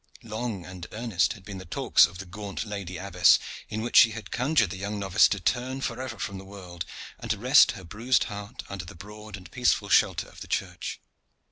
Long and earnest had been the talks of the gaunt lady abbess, in which she had conjured the young novice to turn forever from the world, and to rest her bruised heart under the broad and peaceful shelter of the church.